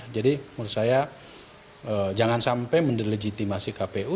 jadi menurut saya jangan sampai mendelegitimasi kpu